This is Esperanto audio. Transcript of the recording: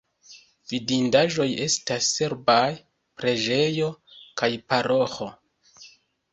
Vidindaĵoj estas serbaj preĝejo kaj paroĥo.